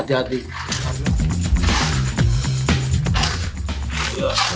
jadi saya mesti hati hati